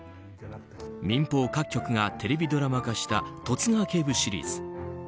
民放各局がテレビドラマ化した「十津川警部」シリーズ。